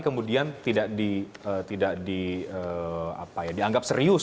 kemudian tidak dianggap serius